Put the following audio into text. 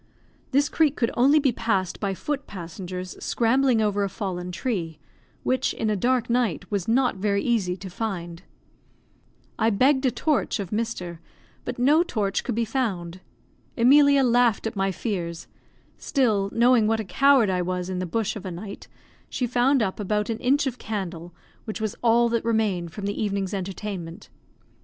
This creek could only be passed by foot passengers scrambling over a fallen tree, which, in a dark night, was not very easy to find. I begged a torch of Mr. ; but no torch could be found. Emilia laughed at my fears; still, knowing what a coward I was in the bush of a night, she found up about an inch of candle, which was all that remained from the evening's entertainment.